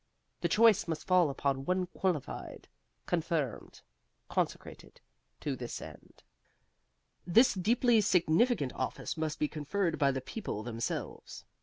The choice must fall upon one qualified, confirmed, consecrated to this end. This deeply significant office must be conferred by the people themselves.